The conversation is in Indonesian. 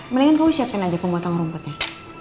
mendingan kamu siapin aja kau potong rumputnya